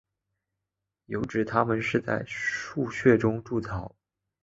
有指它们是在树穴中筑巢。